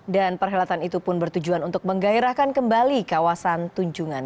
dan perhelatan itu pun bertujuan untuk menggairahkan kembali kawasan tunjungan